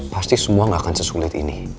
pasti semua nggak akan sesulit ini